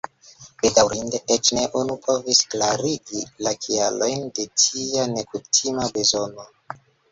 Bedaŭrinde eĉ ne unu povis klarigi la kialojn de tia nekutima bezono.